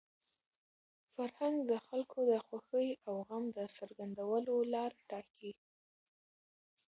فرهنګ د خلکو د خوښۍ او غم د څرګندولو لاره ټاکي.